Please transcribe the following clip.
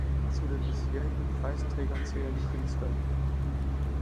Zu den bisherigen Preisträgern zählen die Künstler